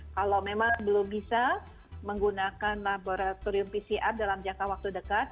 kalau memang belum bisa menggunakan laboratorium pcr dalam jangka waktu dekat